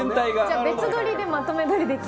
じゃあ別撮りでまとめ撮りできる。